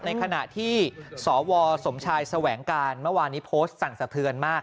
ในขณะที่สวสมชายแสวงการเมื่อวานนี้โพสต์สั่นสะเทือนมาก